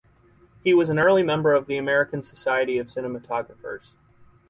He was an early member of the American Society of Cinematographers.